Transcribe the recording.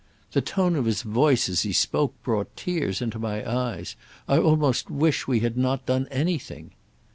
"The tone of his voice as he spoke brought tears into my eyes. I almost wish we had not done anything."